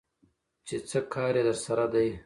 چې څه کار يې درسره دى?